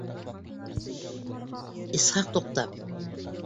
Исхаҡ, туҡтап: